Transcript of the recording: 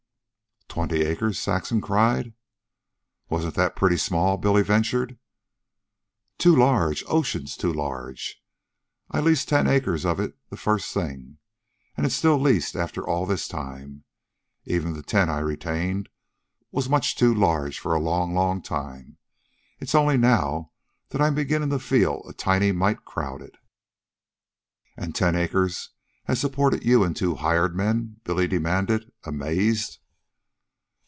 "Twenty acres!" Saxon cried. "Wasn't that pretty small?" Billy ventured. "Too large, oceans too large. I leased ten acres of it the first thing. And it's still leased after all this time. Even the ten I'd retained was much too large for a long, long time. It's only now that I'm beginning to feel a tiny mite crowded." "And ten acres has supported you an' two hired men?" Billy demanded, amazed.